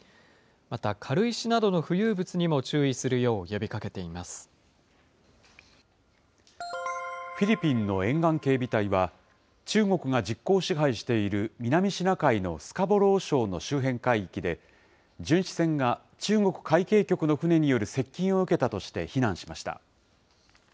また軽石などの浮遊物などにも注フィリピンの沿岸警備隊は、中国が実効支配している南シナ海のスカボロー礁の周辺海域で、巡視船が中国海警局の船による接近を受けたとして非難しました。